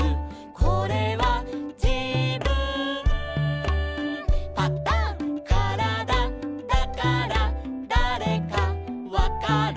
「これはじぶんパタン」「からだだからだれかわかる」